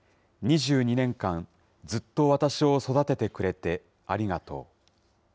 ２２年間、ずっと私を育ててくれてありがとう。